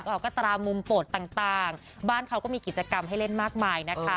ออกก็ตามมุมโปรดต่างบ้านเขาก็มีกิจกรรมให้เล่นมากมายนะคะ